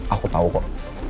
aku tau kok